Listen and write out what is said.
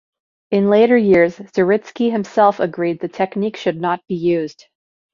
In later years Zaritsky himself agreed the technique should not be used.